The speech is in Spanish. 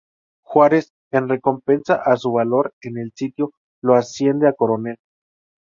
Juárez en recompensa a su valor en el sitio, lo asciende a coronel.